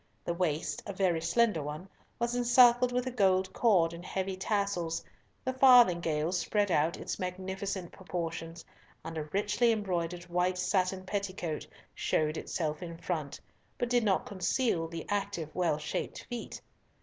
The waist, a very slender one, was encircled with a gold cord and heavy tassels, the farthingale spread out its magnificent proportions, and a richly embroidered white satin petticoat showed itself in front, but did not conceal the active, well shaped feet.